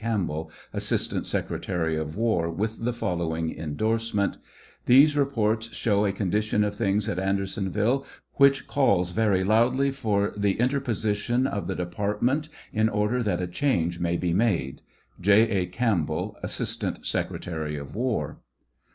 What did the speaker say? Campbell, assistant secretary of war, with the following indorsement: These reports show a condition of things at Audersonville which calls very loudly for the interposition of the department in order that a change may be made. J. A. CAMPBELL, Assistant Secretary of War.